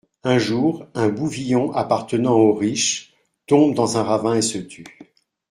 Un jour, un bouvillon appartenant au riche tombe dans un ravin et se tue.